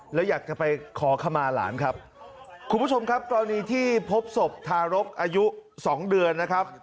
แล้วอยากจะไปขอขมาหลานครับคุณผู้ชมครับกรณีที่พบศพทารกอายุสองเดือนนะครับ